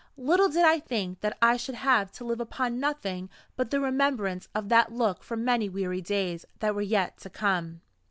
Little did I think that I should have to live upon nothing but the remembrance of that look for many weary days that were yet to come.